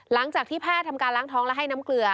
หลังจากที่แพทย์ทำการล้างท้องและให้น้ำเกลือ